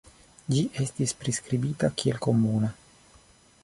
Ĝi estis priskribita kiel komuna.